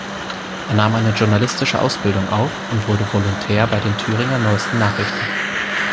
Er nahm eine journalistische Ausbildung auf und wurde Volontär bei den "Thüringer Neuesten Nachrichten".